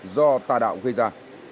do tà đạo gây ra